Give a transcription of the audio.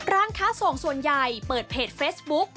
ร้านค้าส่งส่วนใหญ่เปิดเพจเฟซบุ๊ก